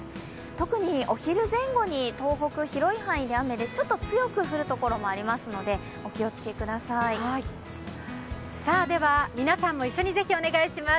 特にお昼前後に東北、広い範囲で雨でちょっと強く降る所もありますので皆さんも一緒にお願いします。